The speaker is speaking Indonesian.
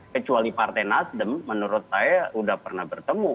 kecuali partai nasdem menurut saya sudah pernah bertemu